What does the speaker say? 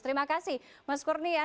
terima kasih mas kurnia